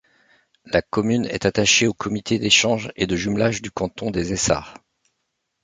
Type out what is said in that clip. La commune est attachée au comité d’échanges et de jumelage du canton des Essarts.